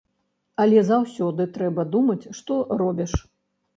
Але заўсёды трэба думаць, што робіш.